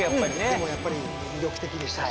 でもやっぱり魅力的でしたし。